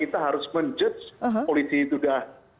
kita harus menjudge polisi juga